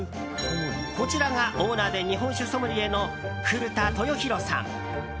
こちらがオーナーで日本酒ソムリエの古田豊弘さん。